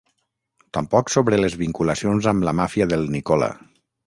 Tampoc sobre les vinculacions amb la màfia del Nicola...